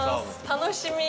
楽しみ。